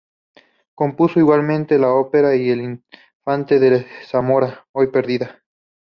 Compuso igualmente la ópera "El infante de Zamora", hoy perdida.